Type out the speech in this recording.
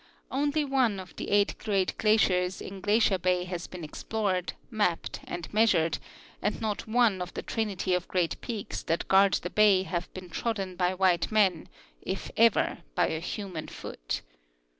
Only one of the eight great glaciers in Glacier ba}^ has been explored, mapped, and measured, and not one of the trinity of great peaks that guard the bay have been trodden by white men, if ever by a human foot.